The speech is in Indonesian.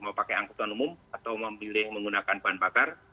mau pakai angkutan umum atau memilih menggunakan bahan bakar